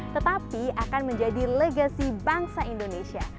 tetapi akan menjadi legasi bangsa indonesia